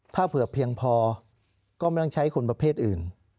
ถ้าเผื่อเพียงพอก็ไม่ต้องใช้คนประเภทอื่น